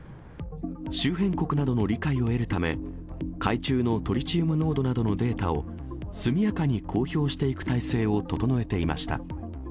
周辺国などの理解を得るため、海中のトリチウム濃度などのデータを、速やかに公表していく態勢を整えていました。